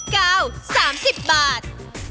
กาว๓๐บาท